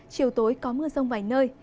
chiều tối có mưa rông vài nơi